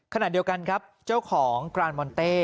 ขณะเดียวกันครับเจ้าของกรานมอนเต้